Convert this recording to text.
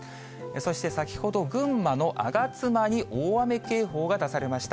そして、先ほど群馬の吾妻に大雨警報が出されました。